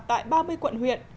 tại ba mươi quận huyện